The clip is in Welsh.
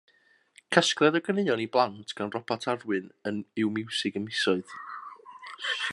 Casgliad o ganeuon i blant gan Robat Arwyn yw Miwsig y Misoedd.